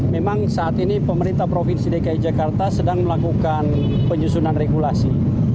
memang saat ini pemerintah provinsi dki jakarta sedang melakukan penyusunan regulasi